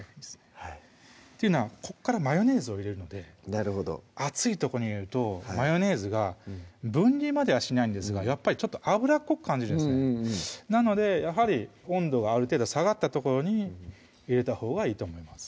はいっていうのはこっからマヨネーズを入れるので熱いとこに入れるとマヨネーズが分離まではしないんですがやっぱりちょっと油っこく感じるんですねなのでやはり温度がある程度下がったところに入れたほうがいいと思います